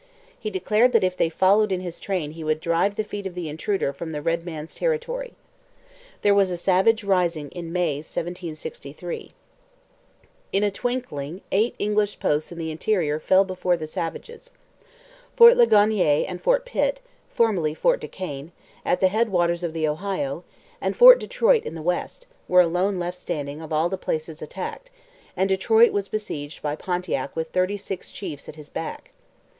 He declared that if they followed in his train he would drive the feet of the intruder from the red man's territory. There was a savage rising in May 1763. In a twinkling eight English posts in the interior fell before the savages. Fort Ligonier and Fort Pitt, [Footnote: Formerly Fort Duquesne.] at the head waters of the Ohio, and Fort Detroit in the west, were alone left standing of all the places attacked, and Detroit was besieged by Pontiac with thirty six chiefs at his back.